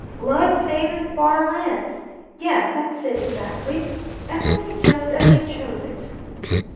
'Love, Fame, and Far Lands!' Yes, that's it exactly! Everything just as you chose it!